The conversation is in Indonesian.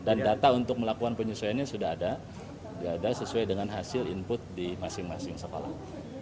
dan data untuk melakukan penyesuaiannya sudah ada sesuai dengan hasil input di masing masing sekolah